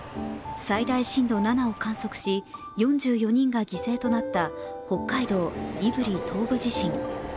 最大震度７を観測し４４人が犠牲となった北海道胆振東部地震。